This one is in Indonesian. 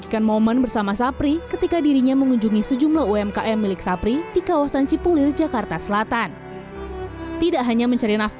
komedian sapri pantun